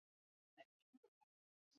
学士视光学位需费时四年来完成。